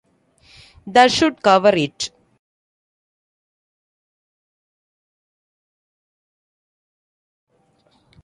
That Should Cover It!